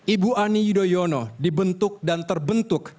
ibu ani yudhoyono dibentuk dan terbentuk